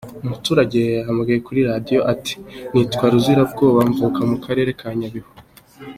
Umuturage yahamagaye kuri radiyo ati “Nitwa Ruzirabwoba mvuka mu karere ka Nyabihu.